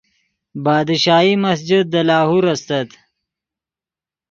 بادشاہی مسجد دے لاہور استت